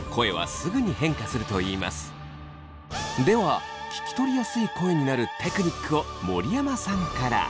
では聞き取りやすい声になるテクニックを森山さんから。